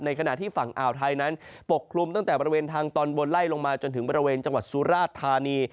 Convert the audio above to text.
ขณะที่ฝั่งอ่าวไทยนั้นปกคลุมตั้งแต่บริเวณทางตอนบนไล่ลงมาจนถึงบริเวณจังหวัดสุราชธานี